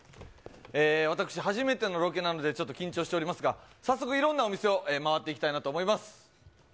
私、初めてのロケなので、ちょっと緊張しておりますが、早速、いろんなお店を回っていきたいなと思います。